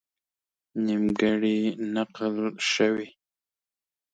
نیمګړې نقل شوې.